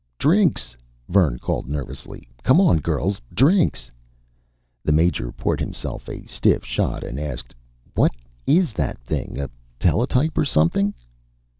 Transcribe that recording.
"Drinks!" Vern called nervously. "Come on, girls! Drinks!" The Major poured himself a stiff shot and asked: "What is that thing? A teletype or something?"